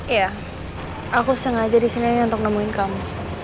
iya aku sengaja disininya untuk nemuin kamu